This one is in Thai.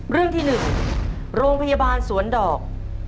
เรื่องที่๑โรงพยาบาลสวนดอก